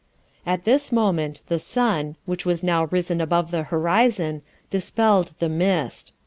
At this moment the sun, which was now risen above the horizon, dispelled the mist.